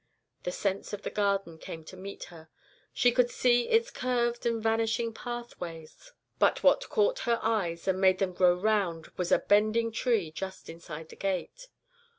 The scents of the Garden came to meet her. She could see its curved and vanishing pathways. "But what caught her eyes and made them grow round was a bending tree just inside the gate.